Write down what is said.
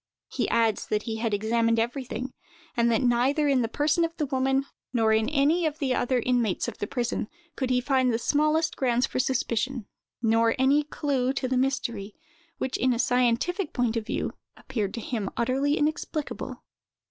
He adds that he had examined everything; and that neither in the person of the woman, nor in any other of the inmates of the prison, could he find the smallest grounds for suspicion, nor any clew to the mystery, which, in a scientific point of view, appeared to him utterly inexplicable.